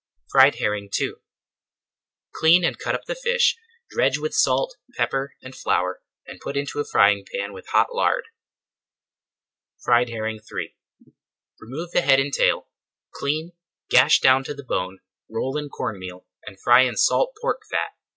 FRIED HERRING II Clean and cut up the fish, dredge with salt, pepper, and flour, and put into a frying pan with hot lard. FRIED HERRING III Remove the head and tail, clean, gash down to the bone, roll in corn meal, and fry in salt pork fat.